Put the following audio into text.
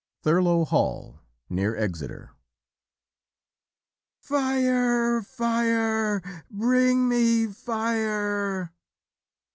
THURLOW HALL, NEAR EXETER FIRE! FIRE! BRING ME FIRE!